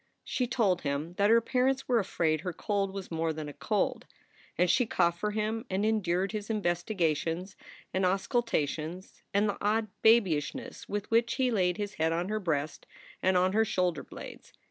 She told him that her parents were afraid her cold was more than a cold, and she coughed for him and endured his investigations and auscultations and the odd babyishness with which he laid his head on her breast and on her shoulder blades.